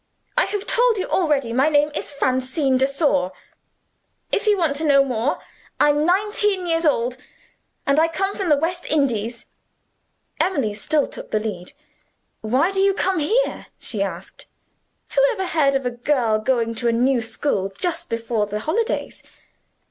I have told you already my name is Francine de Sor. If want to know more, I'm nineteen years old, and I come from the West Indies." Emily still took the lead. "Why do you come here?" she asked. "Who ever heard of a girl joining a new school just before the holidays?